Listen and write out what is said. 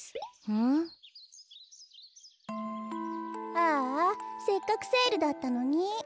ああせっかくセールだったのに。